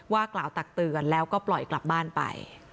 กล่าวตักเตือนแล้วก็ปล่อยกลับบ้านไป